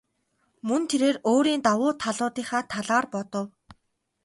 Мөн тэрээр өөрийн давуу талуудынхаа талаар бодов.